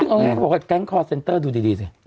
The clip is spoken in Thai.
ซึ่งเขาบอกว่ายนหรอกกแก๊งคอร์ดเซ็นเตอร์ดูดีซิ